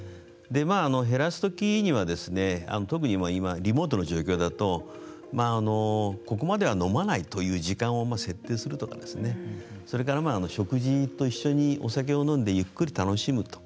減らすときには特に今、リモートの状況だとここまでは飲まないという時間を設定するとかそれから食事と一緒にお酒を飲んでゆっくり楽しむと。